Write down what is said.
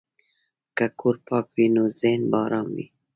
که کور پاک وي، نو ذهن به ارام وي.